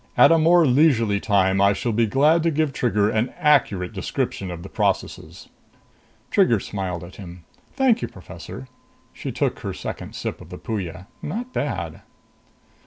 At a more leisurely time I shall be glad to give Trigger an accurate description of the processes." Trigger smiled at him. "Thank you, Professor!" She took her second sip of the Puya. Not bad.